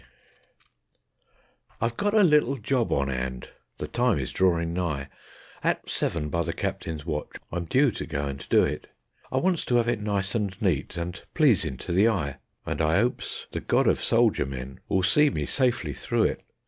My Job I've got a little job on 'and, the time is drawin' nigh; At seven by the Captain's watch I'm due to go and do it; I wants to 'ave it nice and neat, and pleasin' to the eye, And I 'opes the God of soldier men will see me safely through it.